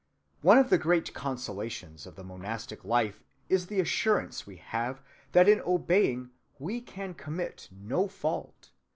"One of the great consolations of the monastic life," says a Jesuit authority, "is the assurance we have that in obeying we can commit no fault.